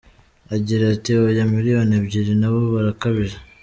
Agira ati: “Oya, miliyoni ebyiri na bo barakabije.